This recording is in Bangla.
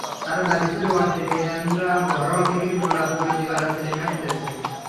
তাঁর দাবি ছিল, অস্ট্রেলিয়ানরা ঘরোয়া ক্রিকেটে গোলাপি বলে দিবারাত্রির ম্যাচ খেলেছে।